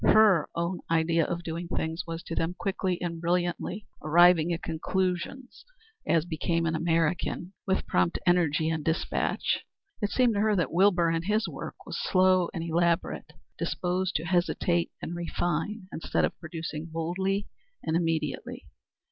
Her own idea of doing things was to do them quickly and brilliantly, arriving at conclusions, as became an American, with prompt energy and despatch. It seemed to her that Wilbur, in his work, was slow and elaborate, disposed to hesitate and refine instead of producing boldly and immediately.